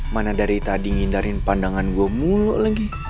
mana dari tadi ngindarin pandangan gue muluk lagi